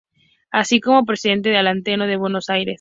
Así como presidente del Ateneo de Buenos Aires.